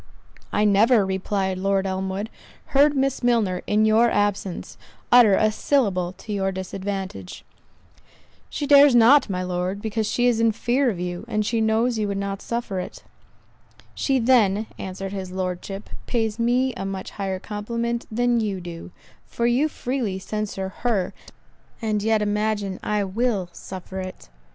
"I never," replied Lord Elmwood, "heard Miss Milner, in your absence, utter a syllable to your disadvantage." "She dares not, my Lord, because she is in fear of you and she knows you would not suffer it." "She then," answered his Lordship, "pays me a much higher compliment than you do; for you freely censure her, and yet imagine I will suffer it."